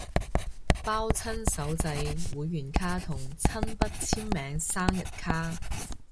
包親手製會員卡同親筆簽名生日卡